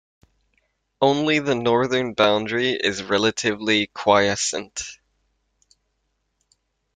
Only the northern boundary is relatively quiescent.